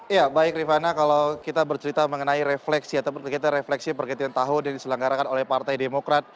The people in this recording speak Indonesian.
ya baik rifana kalau kita bercerita mengenai refleksi atau kita refleksi pergantian tahun yang diselenggarakan oleh partai demokrat